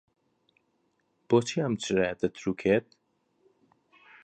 بۆچی ئەم چرایە دەترووکێت؟